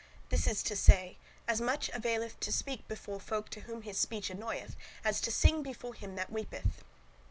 This is to say, as much availeth to speak before folk to whom his speech annoyeth, as to sing before him that weepeth.